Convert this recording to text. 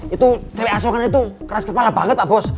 itu cewek asokan itu keras kepala banget pak bos